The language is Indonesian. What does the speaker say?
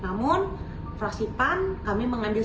namun fraksi pan kami mengambil